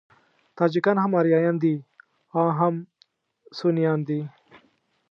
تاجکان هم آریایان دي او هم سنيان دي.